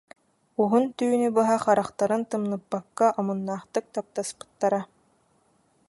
Уһун түүнү быһа харахтарын тымныппакка омуннаахтык таптаспыттара